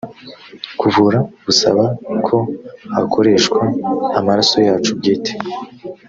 kuvura busaba ko hakoreshwa amaraso yacu bwite